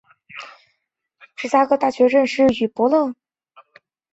李奥波德与勒伯在芝加哥大学认识。